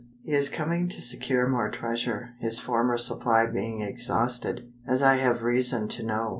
"He is coming to secure more treasure, his former supply being exhausted, as I have reason to know.